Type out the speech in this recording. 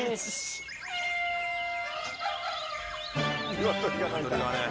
ニワトリがね。